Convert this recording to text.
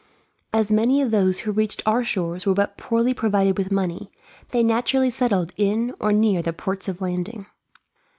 As many of those who reached our shores were but poorly provided with money, they naturally settled in or near the ports of landing.